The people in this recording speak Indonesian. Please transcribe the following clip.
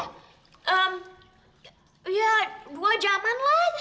ya dua jaman lah